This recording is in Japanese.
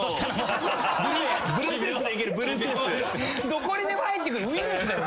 どこにでも入ってくるウイルスだよ